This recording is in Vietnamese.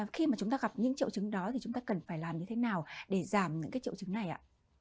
khi mà chúng ta gặp những triệu chứng đó thì chúng ta cần phải làm như thế nào để giảm những triệu chứng này ạ